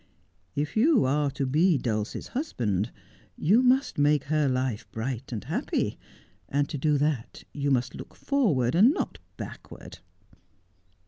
If you are to be Dulcie's hus band you must make her life bright and happy, and to do that you must look forward, and not backward.'